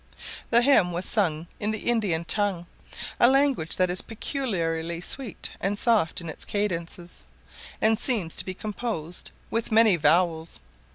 The hymn was sung in the Indian tongue, a language that is peculiarly sweet and soft in its cadences, and seems to be composed with many vowels.